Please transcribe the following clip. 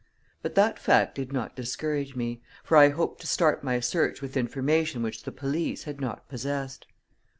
But that fact did not discourage me; for I hoped to start my search with information which the police had not possessed.